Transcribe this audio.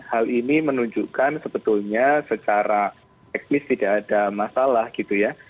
hal ini menunjukkan sebetulnya secara teknis tidak ada masalah gitu ya